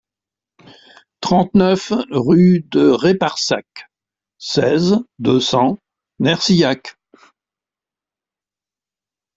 trente-neuf rue de Réparsac, seize, deux cents, Nercillac